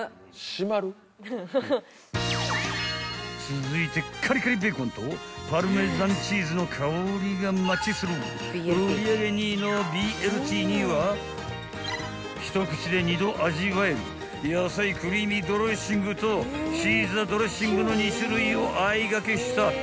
［続いてカリカリベーコンとパルメザンチーズの香りがマッチする売り上げ２位のＢＬＴには一口で二度味わえる野菜クリーミードレッシングとシーザードレッシングの２種類を相掛けした］